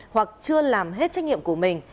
hoặc chưa làm hết trách nhiệm của mình